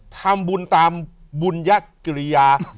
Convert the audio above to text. ทำบุญตามบุญยกิริยา